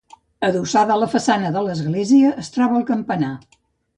Adossada a la façana de l'església es troba el campanar.